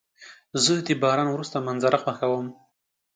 زه د باران وروسته منظره خوښوم.